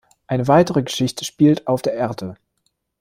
Eine weitere Geschichte spielt auf der Erde.